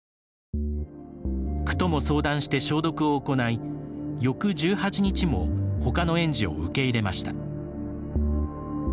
区とも相談して消毒を行い翌１８日もほかの園児を受け入れました。